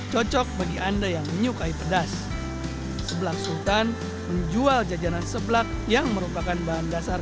cocok bagi anda yang menyukai pedas sebelak sultan menjual jajanan sebelak yang merupakan bahan dasar